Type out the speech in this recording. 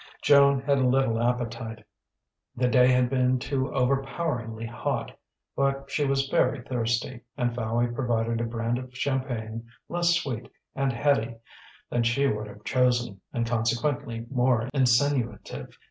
Joan had little appetite the day had been too over poweringly hot but she was very thirsty; and Fowey provided a brand of champagne less sweet and heady than she would have chosen, and consequently more insinuative.